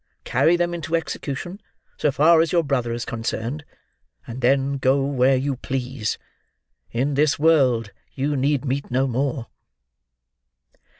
Carry them into execution so far as your brother is concerned, and then go where you please. In this world you need meet no more."